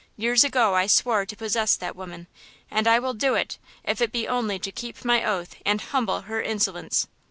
Years ago I swore to possess that woman, and I will do it, if it be only to keep my oath and humble her insolence.